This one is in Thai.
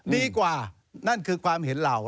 ดีกว่านั่นคือความเห็นเรา